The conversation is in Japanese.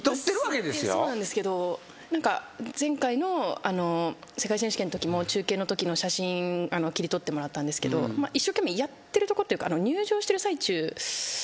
そうなんですけど前回の世界選手権のときも中継のときの写真切り取ってもらったんですけど一生懸命やってるとこっていうか。